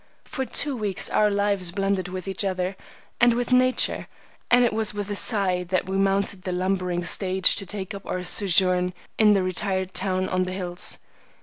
For two weeks our lives blended with each other and with nature, and it was with a sigh that we mounted the lumbering stage to take up our sojourn in the retired town on the hills.